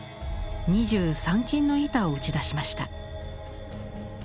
２３金の板を打ち出しました。